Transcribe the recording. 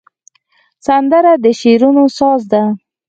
سندره د شعرونو ساز ده